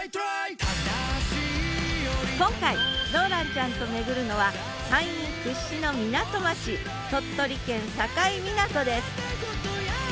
今回ローランちゃんと巡るのは山陰屈指の港町鳥取県境港です。